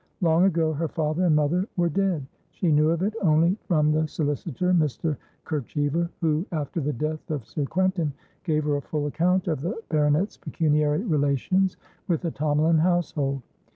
Long ago her father and mother were dead; she knew of it only from the solicitor, Mr. Kerchever, who, after the death of Sir Quentin, gave her a full account of the baronet's pecuniary relations with the Tomalin household.